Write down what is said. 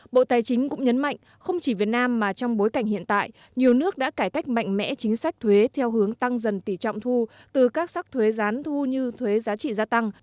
bộ tài chính cũng nhấn mạnh không chỉ việt nam mà trong bối cảnh hiện tại nhiều nước đã cải tách mạnh mẽ chính sách thuế theo hướng tăng dần tỷ trọng thu từ các sắc thuế gián thu như thuế giá trị giá trị thuế giá trị giá trị thuế giá trị giá trị thuế giá trị giá trị thuế giá trị giá trị